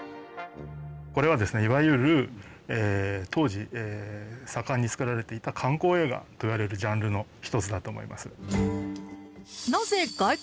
これはですねいわゆる当時盛んに作られていた観光映画といわれるジャンルの一つだと思います。